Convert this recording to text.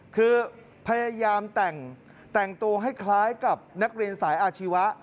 คือพยายามแต่งตัวให้คล้ายกับนักเรียนสายอาชีวะ